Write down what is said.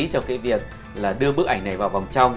trong cái việc là đưa bức ảnh này vào vòng trong